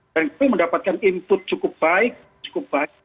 dan itu mendapatkan input cukup baik cukup baik